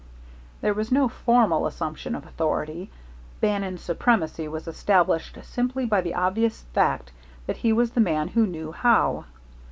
There was no formal assumption of authority; Bannon's supremacy was established simply by the obvious fact that he was the man who knew how.